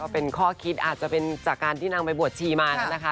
เป็นข้อคิดอาจจะเป็นจากการที่นางไปบวชชีมานั้นนะคะ